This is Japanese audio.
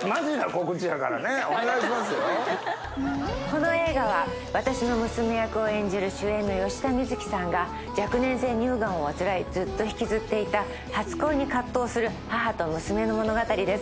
この映画は私の娘役を演じる主演の吉田美月喜さんが若年性乳がんを患いずっと引きずっていた初恋に藤する母と娘の物語です。